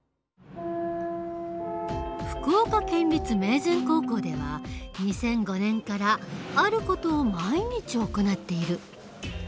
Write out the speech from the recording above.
福岡県立明善高校では２００５年からある事を毎日行っている。